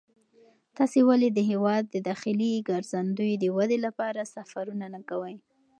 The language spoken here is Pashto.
تاسې ولې د هېواد د داخلي ګرځندوی د ودې لپاره سفرونه نه کوئ؟